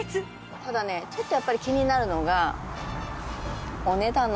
ただねちょっとやっぱり気になるのが。